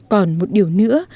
còn một điều nữa